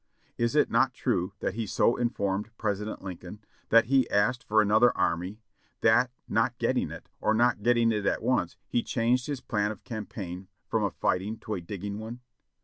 Is it not true that he so informed President Lincoln ; that he asked for another army ; that, not getting it, or not getting it at once, he changed his plan of campaign from a fight ing to a digging one?